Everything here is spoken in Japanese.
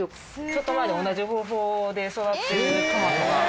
ちょっと前に同じ方法で育ってるトマトが。